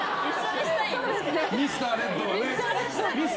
ミスターレッドね。